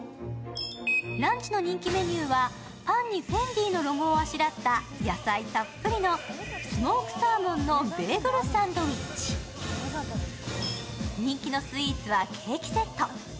ランチの人気メニューは、パンにＦＥＮＤＩのロゴをあしらった野菜たっぷりのスモークサーモンのベーグルサンドウィッチ人気のスイーツはケーキセット。